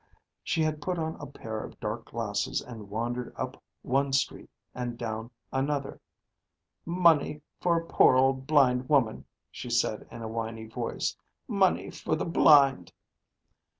She had put on a pair of dark glasses and wandered up one street and down another. "Money for a poor blind woman," she said in a whiny voice. "Money for the blind."